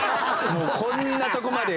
もうこんなとこまで。